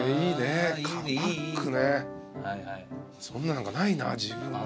そんなのがないなぁ。